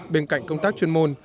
bên cạnh công tác chuyên môn